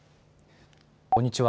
こんにちは。